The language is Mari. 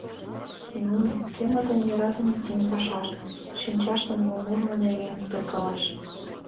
Нуно, кӧмытын йӧратыме тӱҥ пашашт — шинчаштын мом ужмо нерген кутыркалаш.